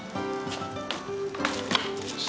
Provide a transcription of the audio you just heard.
よし。